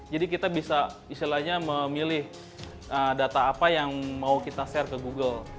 jadi kita bisa istilahnya memilih data apa yang mau kita share ke google